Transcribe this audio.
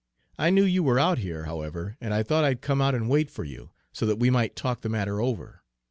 I knew you were out here, however, and I thought I'd come out and wait for you, so that we might talk the matter over.